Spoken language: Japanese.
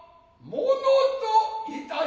ものと。